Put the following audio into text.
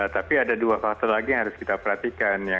tapi ada dua faktor lagi yang harus kita perhatikan ya